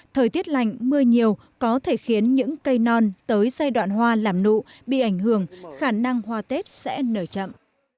thời tiết lạnh mưa nhiều có thể khiến những cây non tới giai đoạn hoa làm nụ bị ảnh hưởng khả năng hoa tết sẽ nở chậm